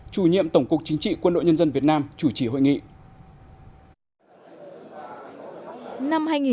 chủ nhiệm tổng cục chính trị quân đội nhân dân việt nam chủ trì hội nghị